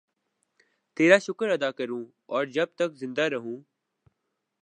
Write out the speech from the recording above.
تیرا شکر ادا کروں اور جب تک زندہ رہوں